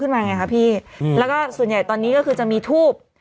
มาไงคะพี่อืมแล้วก็ส่วนใหญ่ตอนนี้ก็คือจะมีทูบ